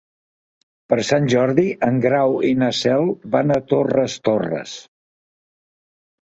Per Sant Jordi en Grau i na Cel van a Torres Torres.